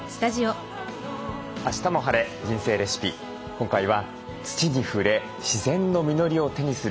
今回は土に触れ自然の実りを手にする。